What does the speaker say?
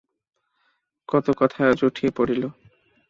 কত কথা আজ উঠিয়া পড়িল।